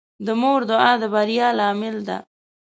د مور دعا د بریا لامل ده.